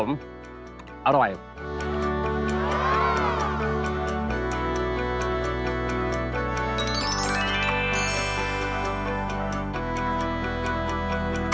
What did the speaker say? แล้วก็เอามาลาดซอสญี่ปุ่นนะครับผม